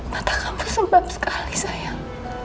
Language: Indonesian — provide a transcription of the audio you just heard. mata kamu sebab sekali sayang